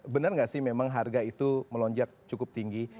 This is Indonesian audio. benar nggak sih memang harga itu melonjak cukup tinggi